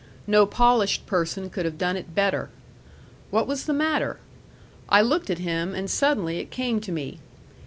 No polished person could have done it better. What was the matter? I looked at him, and suddenly it came to me.